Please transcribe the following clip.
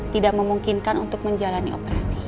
tidak memungkinkan untuk menjalani operasi